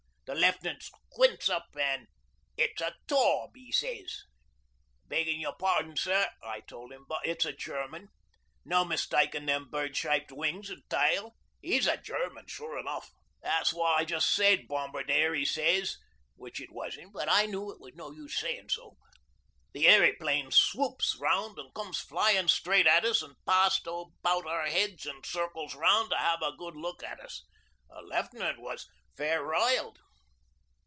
The Left'nant squints up an' "It's a Tawb," he sez. '"Beggin' your pardon sir," I told 'im, "but it's a German. No mistakin' them bird shaped wings an' tail. He's a German, sure enough." '"That's what I just said, Bombardier," he sez, which it wasn't but I knew it was no use sayin' so. 'The airyplane swoops round an' comes flyin' straight to us an' passed about our heads an' circles round to have a good look at us. The Left'nant was fair riled.